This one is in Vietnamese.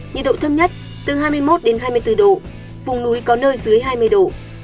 nhiệt độ thấp nhất từ hai mươi một đến hai mươi bốn độ vùng núi có nơi dưới hai mươi độ